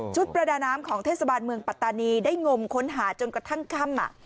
ประดาน้ำของเทศบาลเมืองปัตตานีได้งมค้นหาจนกระทั่งค่ำ